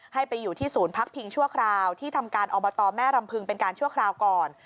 ให้ไปอยู่ที่ศูนย์พักพิงชั่วคราวที่ทำการอบตแม่รำพึงเป็นการชั่วคราวก่อน